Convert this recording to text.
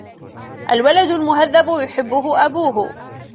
الْوَلَدُ الْمُهَذَّبُ يُحِبُّهُ أَبُوه.